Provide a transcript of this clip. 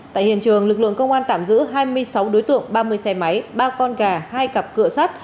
tại hiện trường lực lượng công an tạm giữ hai mươi sáu đối tượng ba mươi xe máy ba con gà hai cặp cửa sắt